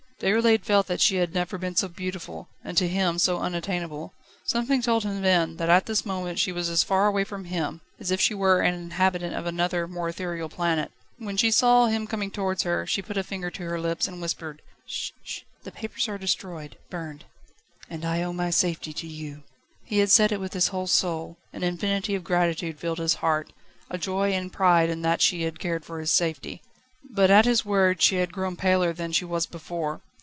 Déroulède felt that she had never been so beautiful and to him so unattainable. Something told him then, that at this moment she was as far away from him, as if she were an inhabitant of another, more ethereal planet. When she saw him coming towards her, she put a finger to her lips, and whispered: "Sh! sh! the papers are destroyed, burned." "And I owe my safety to you!" He had said it with his whole soul, an infinity of gratitude filled his heart, a joy and pride in that she had cared for his safety. But at his words she had grown paler than she was before.